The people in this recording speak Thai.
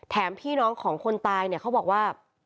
พี่น้องของคนตายเนี่ยเขาบอกว่า